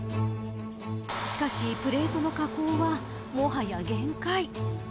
しかしプレートの加工は、もはや限界。